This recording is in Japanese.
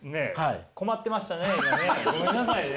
困ってましたね今ね。